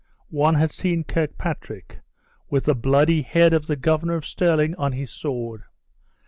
One had seen Kirkpatrick, with the bloody head of the Governor of Stirling on his sword.